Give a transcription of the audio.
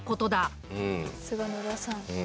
さすが野田さん。